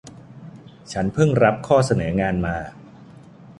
ฉันพึ่งรับข้อเสนองานมา